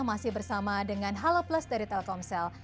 masih bersama dengan halo plus dari telkomsel